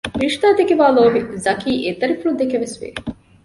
ރިޝްދާ ދެކެ ވާ ލޯބި ޒަކީ އެދަރިފުޅުދެކެވެސް ވެ